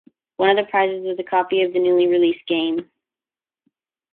One of the prizes was a copy of the newly released game.